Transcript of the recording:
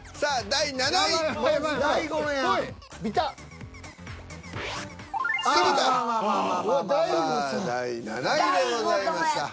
第７位でございました。